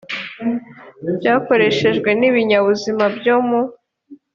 byakoreshejwe n ibinyabuzima byo mu